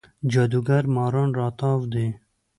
جادوګر ماران راتاو دی